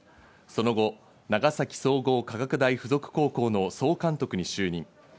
その後、長崎総合科学大学附属高校の総監督に就任。